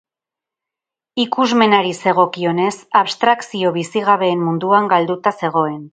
Ikusmenari zegokionez, abstrakzio bizigabeen munduan galduta zegoen.